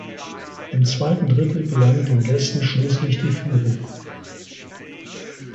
Im zweiten Drittel gelang den Gästen schließlich die Führung.